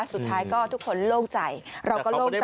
สุดท้ายก็ทุกคนโล่งใจเราก็โล่งใจ